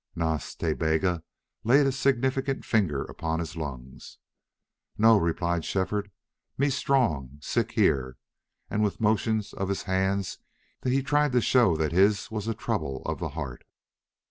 Nas Ta Bega laid a significant finger upon his lungs. "No," replied Shefford. "Me strong. Sick here." And with motions of his hands he tried to show that his was a trouble of the heart.